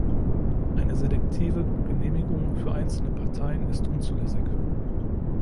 Eine selektive Genehmigung für einzelne Parteien ist unzulässig.